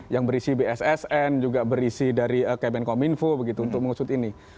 yang berisi bssn juga berisi dari kemenkominfo begitu untuk mengusut ini